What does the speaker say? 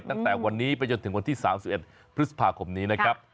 ตั้งแต่วันนี้ไปจนถึงวันที่๓๑พฤษภาคมนี้นะครับ